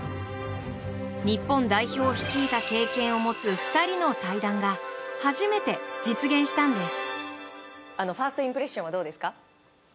日本代表を率いた経験を持つ２人の対談が初めて実現したんです。